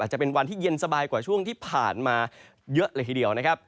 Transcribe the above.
จะเป็นวันที่เย็นสบายกว่าช่วงที่ผ่านมาเยอะเลยทีเดียวนะครับ